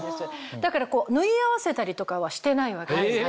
だから縫い合わせたりとかはしてないわけなんです。